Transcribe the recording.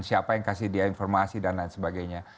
siapa yang kasih dia informasi dan lain sebagainya